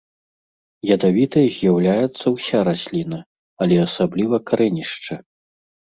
Ядавітай з'яўляецца ўся расліна, але асабліва карэнішча.